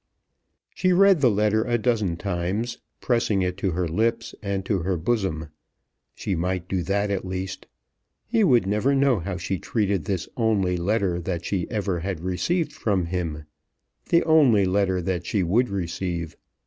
She read the letter a dozen times, pressing it to her lips and to her bosom. She might do that at least. He would never know how she treated this only letter that she ever had received from him, the only letter that she would receive.